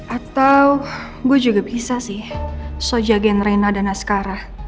atau gue juga bisa sih so jagain reina dan askara